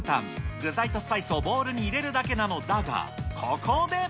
具材とスパイスをボウルに入れるだけなのだが、ここで。